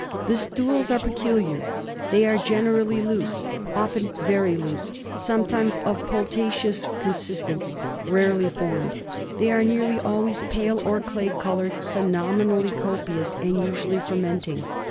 The stools are peculiar. They are generally loose, often very loose ; sometimes of pultaceous consistence ; rarely formed. They are nearly always pale or clay coloured, phenomenally copious and usually fermenting.